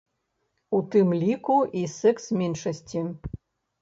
У тым ліку і секс-меншасці.